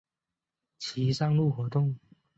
其上路活动。